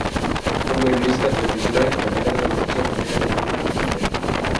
Fue voleibolista profesional y capitana de la Selección femenina de voleibol del Perú.